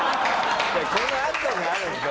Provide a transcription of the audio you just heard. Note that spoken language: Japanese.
このあとにあるんでしょ。